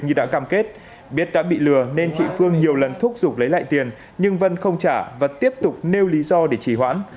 như đã cam kết biết đã bị lừa nên chị phương nhiều lần thúc giục lấy lại tiền nhưng vân không trả và tiếp tục nêu lý do để trì hoãn